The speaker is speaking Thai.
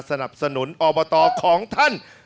สนับสนุนอบตของท่าน